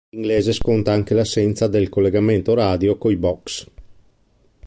L'inglese sconta anche l'assenza del collegamento radio coi "box".